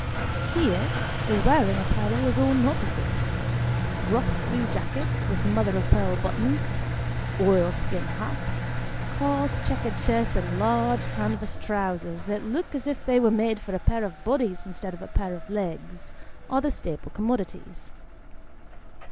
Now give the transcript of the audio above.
Here, the wearing apparel is all nautical. Rough blue jackets, with mother of pearl buttons, oil skin hats, coarse checked shirts, and large canvas trousers that look as if they were made for a pair of bodies instead of a pair of legs, are the staple commodities.